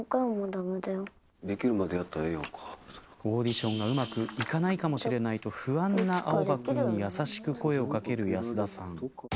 オーディションがうまくいかないかもしれないと不安な青葉君に優しく声をかける安田さん。